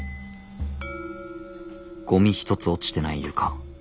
ゴミ一つ落ちてない床。